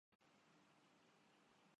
ملک بھر میں فرنٹ